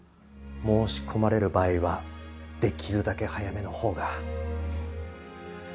申し込まれる場合はできるだけ早めの方が。